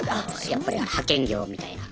やっぱり派遣業みたいな。